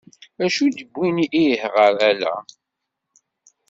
Acu i d iwwin ih ɣer ala?